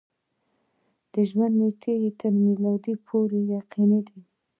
د ژوند نېټه یې تر میلاد پورې یقیني ده.